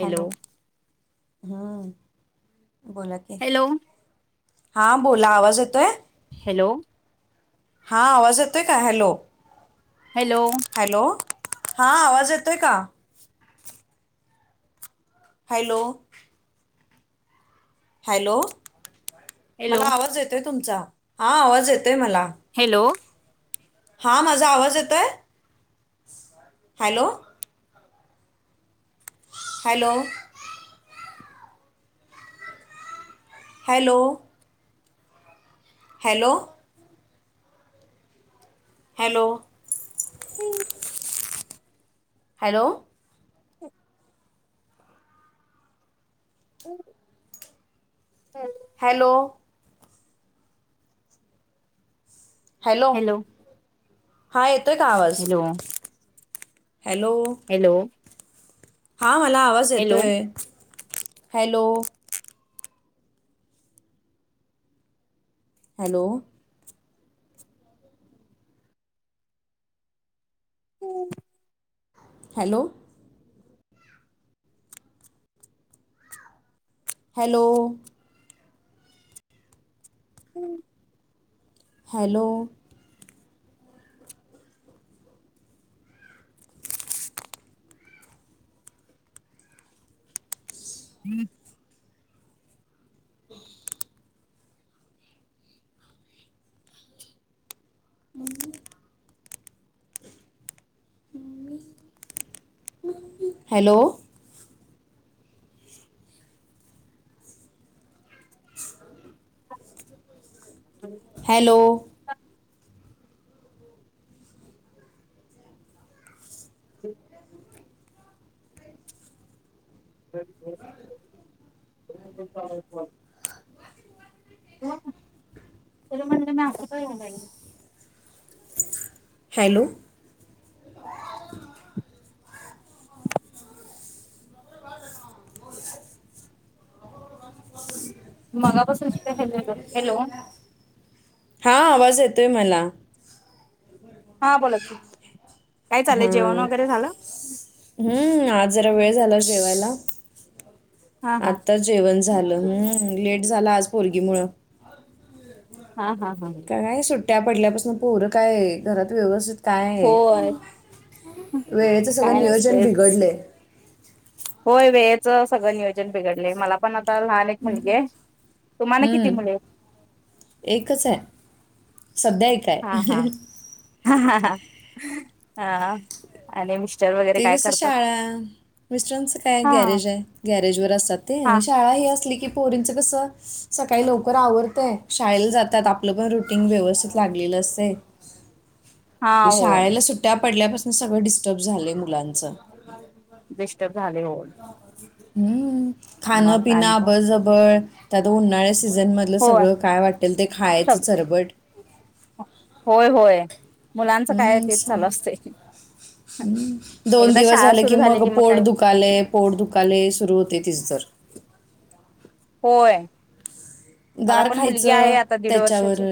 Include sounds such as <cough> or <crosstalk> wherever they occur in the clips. Hello हूं बोला की. हॅलो हा बोला आवाज येतोय? हॅलो. हा आवाज येतोय का? हॅलो. हॅलो. हा -आवाज येतोय का? हॅलो. हॅलो. हॅलो मला आवाज येतोय तुमचा. हा आवाज येत हॅलो. हा -माझा आवाज येतोय? Hello. Hello. <inaudible> Hello. Hello. Hello. हूं. हॅलो. ह. <unintelligible> हॅलो. हॅलो. हा- येत तय का आवाज? हॅलो. हॅलो हा- मला आवाज हॅलो हॅलो येतोय. हॅलो हॅलो हम्म हॅलो हॅलो हम् हॅलो हम् हॅलो हॅलो <inaudible> तुझ्या म्हण्या नाही होणार <inaudible> हॅलो मगापासून <inaudible> हॅलो हां आवाज येतोय मला हा बोला ठीक काय चाललंय जेवण वगैरे झालं हम् हम्म आज जरा वेळ झाला जेवायला हा हा आत्ता जेवण झालं हम्म लेट झाला आज पोरगी मुळ हा हा हा का काय सुट्ट सुट्ट्यापडल्यापासून पोरं काय घरात व्यवस्थित काय आहे होय वेळेचं सगळं काय नियोजन नसतंयच बिघडलं होय वेळेचं सगळं नियोजन बिघडलय मला पण मला लहान एक मुलगी तुम्हाला किती हम्म मुली एकच आहे सध्या एक हा हा आहे ह हा आले म ते कस शाळा मिस्टरनस काय हा गॅरेज आहे गॅरेज वर असतात ते हा आणि शाळा ह असली की पोरींच कस सकाळी लवकर आवरतय शाळेला जातात आपलं पण रुटीन व्यवस्थित लागलेलं असतय हा ह होय शाळेला सुट्ट्या पडल्यापासून सगळ डिस्टर्ब झालय मुलांचं डिस्टर्ब झालंय होय हम्म खाण मग पिन आणि काय अबळ जबळ तिथं तर उन्हा सीझन मधलं होय सगळं काय वाटेल ते खायचं सग चरबट होय होय. मुलांचं काय हम्म तेच चालू असते दोन एकदा दिवस शाळा झाले सुरू कि झाली मग की पोट काय दुखाले पोट दुखाले सुरू होतं तिचं तर. होय. मला गार पण मुलगी आहे खायचं आता दीड त्याच्यावर वर्षाची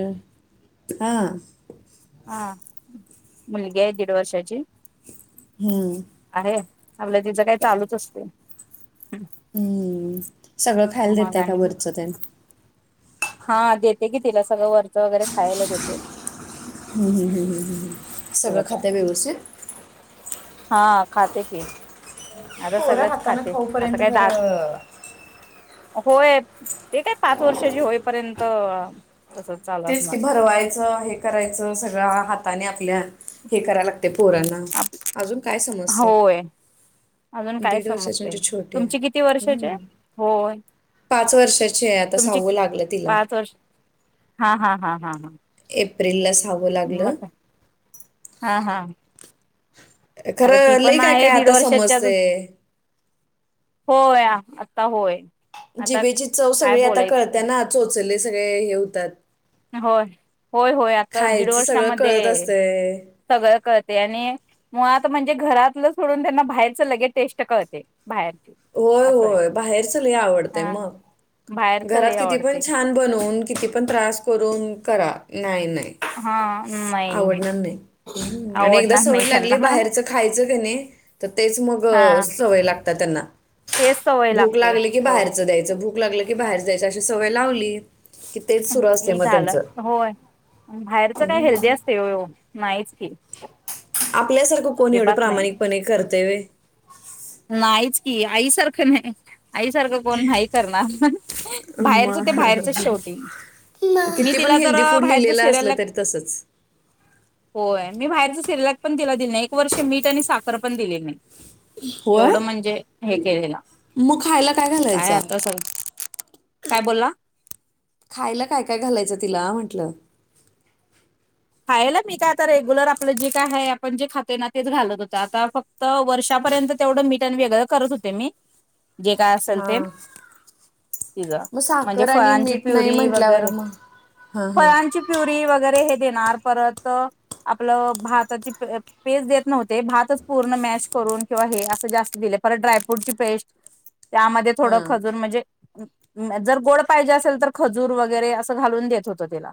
हा हा मुलगी आहे दीड वर्षची हम्म. आपलं तिचं काही चालूच असते. हम्म सगळं खायला मग देतय का आणि वरचं त्या हा देते की तिला सगळं वर हम्म हम्म हम्म हम्म हम्म तुझं सगळं काय खातंय व्यवस्थित. हा खात की. आता पोर सगळंच हाताान खाते खाऊ आता पर्यंत काय खर दारू होय ते काय पाच वर्षाची होईपर्यंत तसच चालू तेच असणार की भरवायचं हे करायचं सगळं हाताने आपल्या हे करायला ते पोरांना आप अजून काय समजय होय अजून काय दीड वर्षाचे समजते म्हणजे छोटे तुमची किती वर्षाचे आहे होय पाच वर्षाचे आता तुमची सहाव लागलं तिला. पाच वर्ष हा हा हा हा हा. एप्रिलला साव मग लागलं. काय. हा हा आता ती खरं पण लई काय आहे काय दीड आता वर्षाच्या अजून समजतेय होय आता होय. आता जिवेची चव काय सगळी आता बोलायचं काय कळतेना चोच ले सगळे हे होतात. होय होय होय आता दीड खायचं सगळं वर्षामध्ये कळत असतंय. सगळं कळते आणि मुळात म्हणजे म्हणजे घरातलं सोडून त्यांना बाहेरच लगे टेस्ट कळते. बाहेरची होय असं आहे होय बाहेरच लय आवडतय हा मग बाहेरच घरात लय किती आवडते पण छान बनून किती पण त्रास करून करा नाही नाही. हा नाही आवडणार नाही आणि एकदा आवडणार सवय नाही लागली त्यांना बाहेरचं खायचं का नाही तर तेच मग हा सवय लागतात त्यांना तेच सवय भूक लागते लागली की होय बाहेरचं द्यायचं भूक लागली की बाहेर जायच्या अशी सवय लावली की तेच सुरू असते मग झालं त्यांचं. होय बाहेरच का हेल्दी असते नाहीच की. आपल्यासारखं कोण एवढं अजिबात प्रामाणिकपणे करतेय व्हय. <inaudible> नाईच की आईसारखं नाही. आईसारखं कोण नाही करणार. बाहेरचं ते बाहेरचं मग शेवटी. मी किती पण तिला तर हेल्दी फूड बाहेरचं लिहिलेलं असलं सिरियलला, तरी तसंच. होय मी बाहेर सिल्लक पण तीला दिल नई. एक वर्ष मीठ आणि साखर पण दिलेल नई. होय एवढं म्हणजे हे केलेला. मग खायला काय घालायचा आता स काय बोल्ला? खायला काय काय घालायचं तिला म्हंटलं? खायला मी काय आता रेग्युलर आपलं जे काय हाय आपण जे खातोय ना तेच घालत होते. आता फक्त वर्षापर्यंत तेवढं मीठ अन वेगळं करत होते मी. जे काय असेल हा ते तिज. मग म्हणजे साखर आणि फळांची मीठ नाही प्युरी म्हटल्यावर वगैरे, मग हा हा फळांची प्युरी वगैरे हे देणार परत, आपलं भाताची पे पेज देत नव्हते भातच पूर्ण मॅश करून किंवा हे असं जास्त दिले. परत ड्रायफ्रूट ची पेस्ट. त्यामध्ये हा थोडं खजूर म्हजे जर गोड पाहिजे असेल तर खजूर वगैरे असं घालून देत होतं तिला.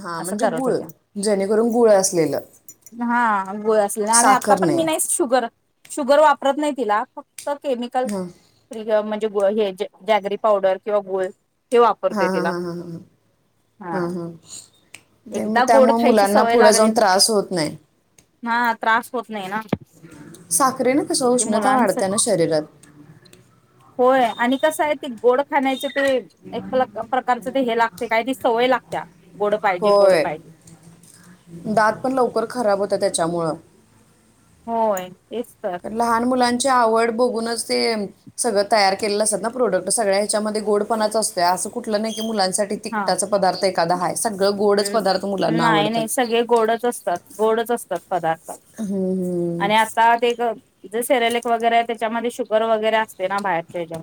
हां, असं म्हणजे करत गुळ. होते जेणेकरून गुळ असलेलं, हा गोळ असेल आणि आता साखर पण मी नाही. शुगर शुगर वापरत नाही तिला, फक्त व केमिकल हा <unintelligible> जे गोळ्या घ्यायचे, जागरी पावडर किंवा गोळ. हां-हां-हां-हां-हां-हां, हा हं-हं तेन म एकदा गोड त्यामुळे खायची मुलांना सवय फुडं जाऊन त्रास होत नाही. हां, त्रास होत नाही ना साखरेनं कसं किती उष्णता मुलांच वाढत्याना शरीरात. होय, आणि कसं हाय ते गोड खाण्याचे ते, एक प्लक् प्रकारच ते हे लागते, काय ते सवय लागत्या गोड पाहिजे गोड होय, पाहिजे दात पण लवकर खराब होतं त्याच्यामुळं. होय. तेच तर कर लहान मुलांची आवड बुग गुनच ते, सगळं तयार केलेल असतात ना प्रॉडक्ट सगळ्या हेच्यामध्ये गोडपणाच असतोय. असं कुठलं नाही की मुलांसाठी हां, तिखटाचा पदार्थ एखादा आहे सगळं गोडच पदार्थ मुलांना नाही आवडतात नाही सगळे गोडच असतात. गोडच असतात पदार्थ. हम्म. आणि आता ते गं. जे सेरेलेक वगैरे आय त्याच्यामध्ये शुगर वगैरे असते ना बाहेर.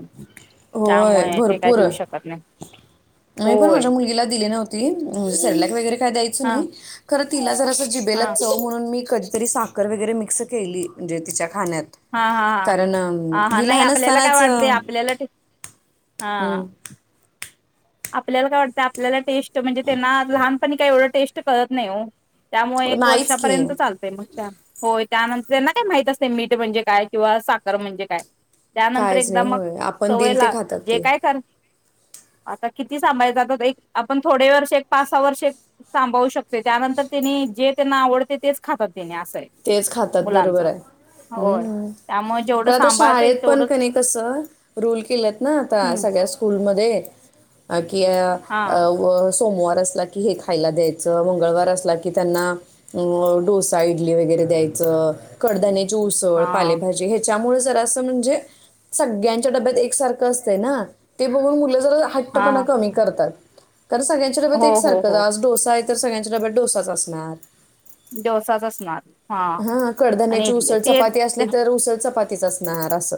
<unintelligible> होय त्यामुळे ते काय भरपूर देऊ शकत नाय. मी पण माझ्या मुलगीला दिली नव्हती. सेरलॅक वगैरे काय द्याय हा किनई, खरं तिला जरासं हा जिभेला चव म्हणून मी कधीतरी सख साखर वगैरे मिक्स केली म्हणजे तिच्या खाण्यात हा हा हा कारण अं, हा हां ही नाही लहान आपल्याला काय असतानाच वाटत अं, आपल्याला <unintelligible> हा हम्म. आपल्याला काय वाटतं आपल्याला टेस्ट म्हणजे त्यांना लहानपणी काही एवढं टेस्ट कळत नाही हो. त्यामुळे एक नाहीच की वर्षापर्यंत चालतय मग छान होय. त्यानंतर त्यांना काय माहित असते मीठ म्हणजे काय किंवा साखर म्हणजे काय. त्यानंतर कायच नाही एकदा मग होय आपण दिल ते सवयला खातात जे ते काय कर आता किती सांभायं जातात एक आपण थोडे वर्ष एक पाच सहा वर्ष सांभाळू शकते. त्यानंतर त्यांनी जे त्यांना आवडते तेच खातात त्याने असं आहे तेच खातात मुलांच बरोबर आहे. होय हम् त्यामुळे जेवढं खरं आता सांभाळता येईल शाळेत पण तेवढंच क कसं रूल केलेत ना आता हम्म सगळ्या स्कूलमध्ये. <inaudible> किया हा आवर. सोमवार अस ला की हे खायला द्यायच मंगळवार असला की त्यांना डोसा. वगैरे द्यायच, कडदा. जुसळ हा पालेभाजी ह्याच्यामुळे. जरासं म्हणजे, सगळ्यांच्या डब्यात एक सारखं असत ना ते बघून मुल. हट्टपणा हा कमी करतात. कारण सगळ्यांच्याडेबत हो एक हो सारखं हो आज डोसा आहे. तर सगळ्यांच्या डब्यात डोसाच असणार. डोसाच असणार. हा आणि कडधान्याची इडली उसळ चपाती ते असली तर उसळ चपाती. तच असणार असं.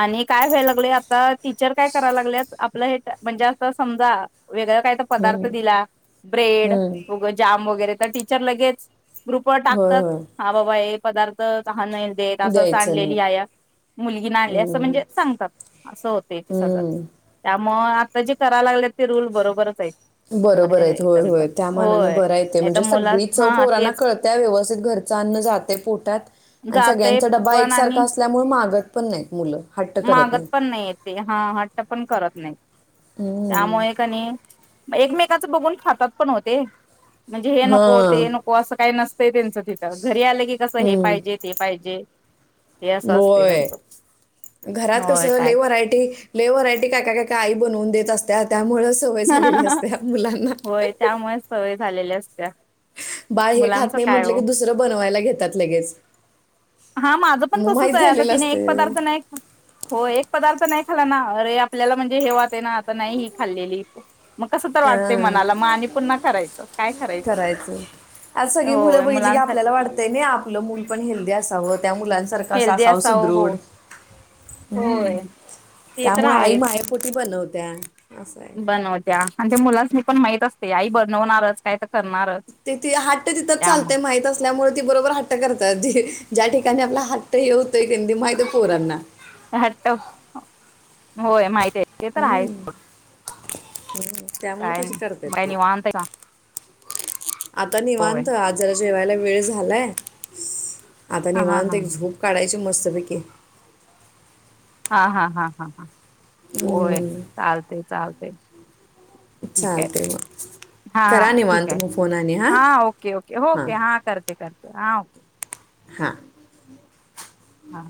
आणि काय व्हायला लागले आता टीचर काय करायला लागलेत आपलं हे म्हणजे असता समजा. वेगळ काय तर हम्म, पदार्थ दिला ब्रेड हम्म. जाम वगैरे टीचर लगेच ग्रुप होय टाकतात होय हा बाबा एक पदार्थ. <inaudible> द्यायचं नाही असली मुी नाही जास्त हम्म, म्हणजे सांगतात आस होते सगळं हम्म. त्या मूळ. आता जी कराय लागले ते रूल बरोबरच आहे. बरोबर आहेत होय होय त्या मनान होय बरा येते नाही तर म्हणजे मुला सगळी चव हा पोरांना तेच कळत व्यवस्थित घरचं अन्न जाते पोटात आणि जातय सगळ्यांचा डबा पण एकसारखा आणि असल्यामुळे मागत पण नाही. मागत पण नाही येत ते हा हट्ट पण करत नाही हम्म. त्यामुळे कानी. एकमेकाचं बघून खातात पण होते. म्हणजे हे नको हां ते नको असं काही नसत. ते त्यांच तिथं घरी आलं की, कस? हे हम्म. पाहिजे ते पाहिजे. ते असं असते होय त्यांचं. घरात कस होय लई काय व्हरायटी. लय व्हरायटी काय? काय? काय? काय? आई बनवून देत असत्या त्यामुळेच. ह होय त्यामुळेच सवय झालेली असते. बाळ हे खात नाही म्हटलं की दुसरं बनवायला घेतात लगेच. हा माझं पण मग तसच माहीत आहे आता झालेलं तिने एक असते पदार्थ नाही होय एक पदार्थ. नाही खाल्ला ना अरे आपल्याला म्हणजे हे वाटेना आता नाही ही खाल्लेली. मग कसं तर वाटते अं मनाला मग आणि पुन्हा करायचं काय <inaudible> करायचं आज सगळी मुलं होय बघितली की मुलांसाठी आपल्याला वाटतय ना आपलं मूल पण हेल्दी असावं. त्या मुलांसारखा हेल्दी असावं हो सुदृढ होय <unintelligible> ते तर त्यामुळे आई आहेच मायेपोटी बनवली. त्या <inaudible> बनवत्या ते मुलासनी पण माहित असतय आई बनवणारच काय तर? करणारच तिथ हाठ तिथंच चालतय त्यामुळे माहित असल्यामुळे बरोबर हट्ट करतात ज्या ठिकाणी आपला हट्ट <unintelligible> माहीत आहे पोरांना. हट्ट होय माहित <unintelligible> ते तर आहे हम् <unintelligible> त्यामुळे तशी करतात काय ते निवांत आहे <inaudible> आता होय निवांत आज जेवायला. वेळ झालाय <inaudible> आता हा हा निवांत हा एक झोप काढायची. <inaudible> मस्त पैकी झो हा हा हा हा हां हम्म, होय चालते चालते ठीक आहे. चालते मग हा करा ठीक निवांत आहे मग फोन आणि हां हा ओके ओके हां होके हा करते करते. हा ओ <inaudible> हा हा